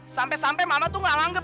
sampai sampai mama tuh gak langgep